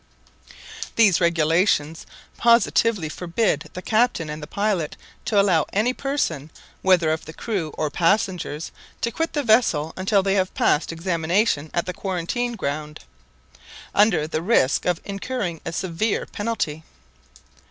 These regulations positively forbid the captain and the pilot to allow any person, whether of the crew or passengers, to quit the vessel until they shall have passed examination at the quarantine ground, under the risk of incurring a severe penalty.